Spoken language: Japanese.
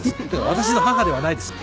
私の母ではないです。